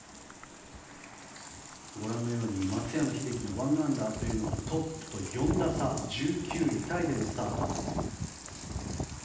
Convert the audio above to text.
ご覧のように松山英樹の１アンダーというのはトップと４打差１９位タイでのスタート。